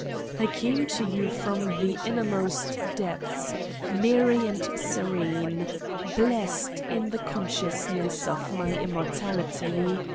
I came to you from the innermost depths, merry and serene, blessed in the consciousness of my Immortality.